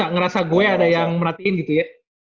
ngerasa gue ada yang merhatiin gitu ya